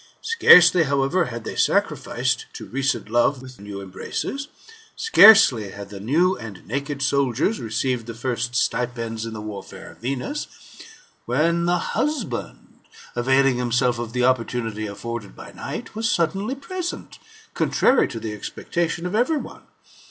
Scarcely, however, had they sacrificed to recent love with new embraces, scarcely had the new and naked soldiers received the first stipends in the warfare of Venus, when the husband, availing himself of the opportnnity afforded by night, was suddenly present, contrary to the expectation of every one.